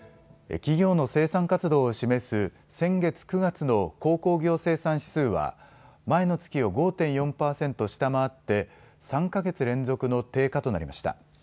企業の生産活動を示す先月９月の鉱工業生産指数は前の月を５．４％下回って３か月連続の低下となりました。